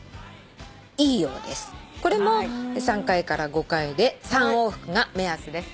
これも３回から５回で３往復が目安です。